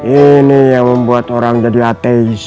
ini yang membuat orang jadi ateis